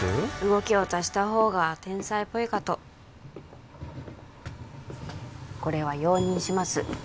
動きを足した方が天才っぽいかとこれは容認します